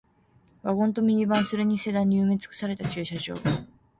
ワゴンとミニバン、それにセダンに埋め尽くされた駐車場